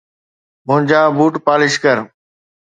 منهنجا boot polish ڪر